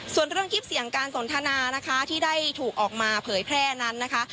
ส่วนเรื่องคลิปเสียงการสนทนานะคะที่ได้ถูกออกมาเผยแพร่นั้นนะคะ